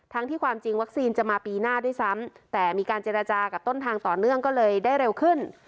ที่ความจริงวัคซีนจะมาปีหน้าด้วยซ้ำแต่มีการเจรจากับต้นทางต่อเนื่องก็เลยได้เร็วขึ้น